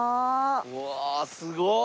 うわすごっ！